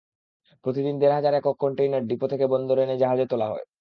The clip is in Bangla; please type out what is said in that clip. প্রতিদিন দেড় হাজার একক কনটেইনার ডিপো থেকে বন্দরে এনে জাহাজে তোলা হয়।